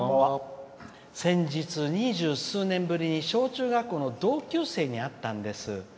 先日、二十数年ぶりに小中学校の同級生に会ったんです。